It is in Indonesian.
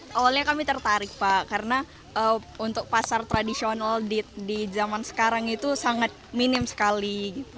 awalnya kami tertarik pak karena untuk pasar tradisional di zaman sekarang itu sangat minim sekali